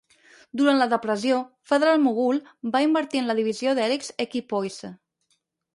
Durant la depressió, Federal-Mogul va invertir en la divisió d'hèlixs Equi-Poise.